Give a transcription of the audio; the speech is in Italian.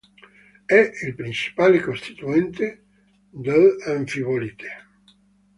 È il principale costituente dell'anfibolite.